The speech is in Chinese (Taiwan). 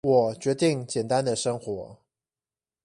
我決定簡單的生活